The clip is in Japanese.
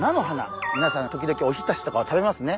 みなさん時々おひたしとかを食べますね。